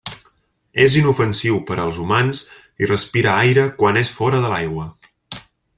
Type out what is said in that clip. És inofensiu per als humans i respira aire quan és fora de l'aigua.